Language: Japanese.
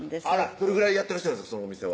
どれぐらいやってらっしゃるんですか？